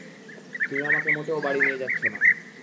তুমি আমাকে মোটেও বাড়ি নিয়ে যাচ্ছ না!